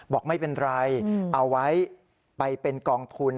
บอกไม่เป็นไรเอาไว้ไปเป็นกองทุน